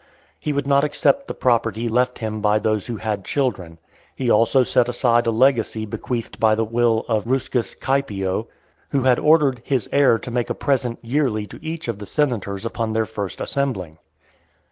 He would not accept the property left him by those who had children. He also set aside a legacy bequeathed by the will of Ruscus Caepio, who had ordered "his heir to make a present yearly to each of the senators upon their first assembling."